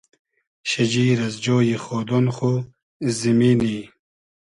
شیجیر از جۉی خۉدۉن خو , زیمینی